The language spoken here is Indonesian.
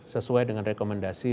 sesuai dengan rekomendasi